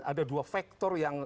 ada dua faktor yang